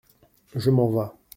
Je m’en vas !